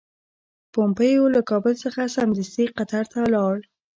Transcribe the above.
پومپیو له کابل څخه سمدستي قطر ته ولاړ.